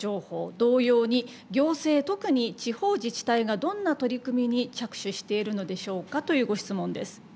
同様に行政特に地方自治体がどんな取り組みに着手しているのでしょうかというご質問です。